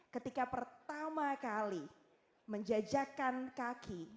ketika pertama kali menjajakan kaki